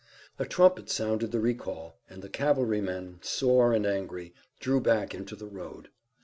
A trumpet sounded the recall and the cavalrymen, sore and angry, drew back into the road.